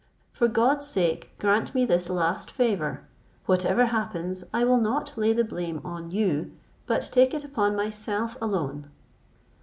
For God's sake grant me this last favour; whatever happens I will not lay the blame on you, but take it upon myself alone."